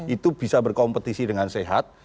itu bisa berkompetisi dengan sehat